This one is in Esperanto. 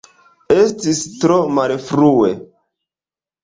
Estis tro malfrue.